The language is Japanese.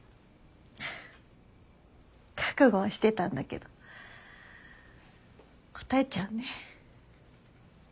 覚悟はしてたんだけどこたえちゃうね。